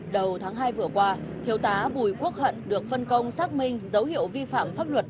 đầu tháng hai vừa qua thiếu tá bùi quốc hận được phân công xác minh dấu hiệu vi phạm pháp luật